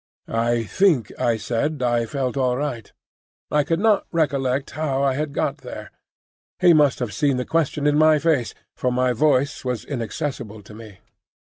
I think I said I felt all right. I could not recollect how I had got there. He must have seen the question in my face, for my voice was inaccessible to me.